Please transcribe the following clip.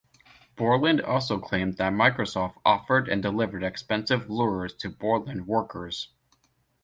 Borland also claimed that Microsoft offered and delivered expensive lures to Borland workers.